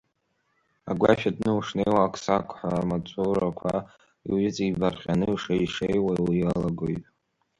Агәашә атны ушнеиуа, ақ-сақҳәа амаҵуарқәа ҩыҵибарҟьаны иуеишуа иалагоит.